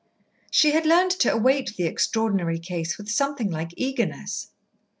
She had learned to await the Extraordinary Case with something like eagerness.